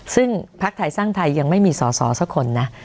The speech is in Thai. ซึ่งพักไทยสร้างไทยยังไม่มีสอสอสักคนนะ